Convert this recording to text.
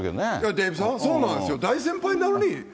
デーブさんは、そうなんですよ、大先輩なのに。